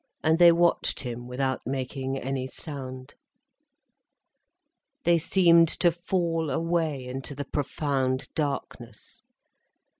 And they watched him without making any sound. They seemed to fall away into the profound darkness.